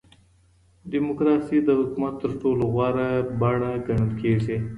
ډيموکراسي د حکومت تر ټولو غوره بڼه ګڼل کېږي.